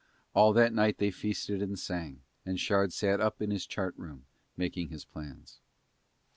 All that night they feasted and sang, and Shard sat up in his chart room making his plans.